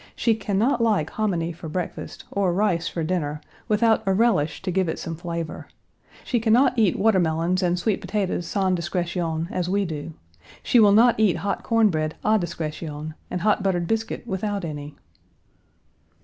She can not like hominy for breakfast, or rice for dinner, without a relish to give it some flavor. She can not eat watermelons and sweet potatoes sans discrétion, as we do. She will not eat hot corn bread à discrétion, and hot buttered biscuit without any.